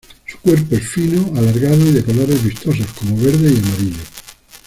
Su cuerpo es fino, alargado y de colores vistosos como verde y amarillo.